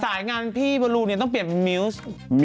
สายงานพี่ต้องเปลี่ยนมิวซ์